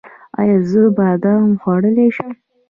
ایا زه بادام خوړلی شم؟